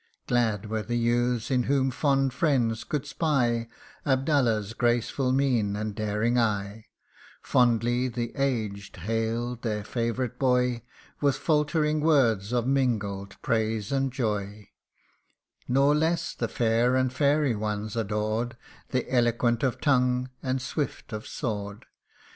Glad were the youths in whom fond friends could spy Abdallah's graceful mien and daring eye : Fondly the aged hail'd their favourite boy With faultering words of mingled praise and joy : Nor less the fair and fairy ones adored The eloquent of tongue, and swift of sword.